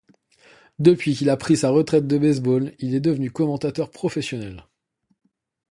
Depuis qu'il a pris sa retraite de baseball, il est devenu commentateur professionnel.